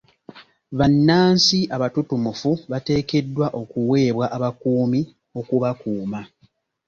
Bannansi abatutumufu bateekeddwa okuweebwa abakuumi okubakuuma.